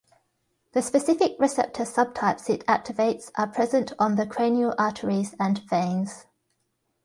The specific receptor subtypes it activates are present on the cranial arteries and veins.